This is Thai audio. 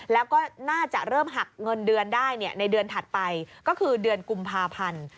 แล้วก็น่าจะเริ่มหักเงินเดือนได้ในเดือนถัดไปก็คือเดือนกุมภาพันธ์